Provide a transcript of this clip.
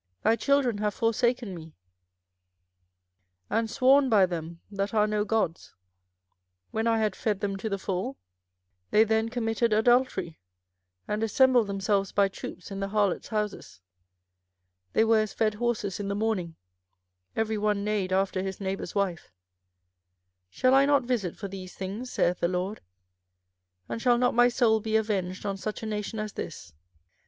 thy children have forsaken me, and sworn by them that are no gods: when I had fed them to the full, they then committed adultery, and assembled themselves by troops in the harlots' houses. 24:005:008 They were as fed horses in the morning: every one neighed after his neighbour's wife. 24:005:009 Shall I not visit for these things? saith the LORD: and shall not my soul be avenged on such a nation as this?